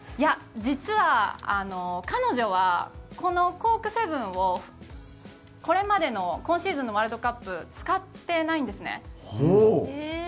実は彼女はこのコーク７２０をこれまでの今シーズンのワールドカップ使っていないんですね。